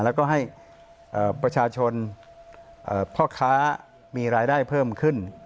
แล้วก็ให้ประชาชนพ่อค้ามีรายได้เพิ่มขึ้น